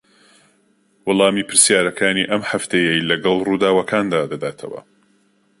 وەڵامی پرسیارەکانی ئەم هەفتەیەی لەگەڵ ڕووداوەکاندا دەداتەوە